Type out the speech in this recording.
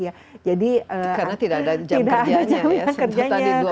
karena tidak ada jam kerjanya